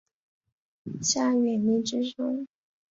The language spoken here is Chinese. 夏允彝之兄。